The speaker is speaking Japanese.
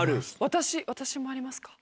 私私もありますか？